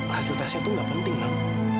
hasil tesnya tuh gak penting non